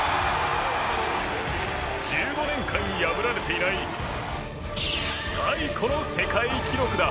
１５年間破られていない最古の世界記録だ。